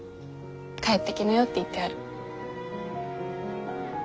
帰ってきなよって言ってある。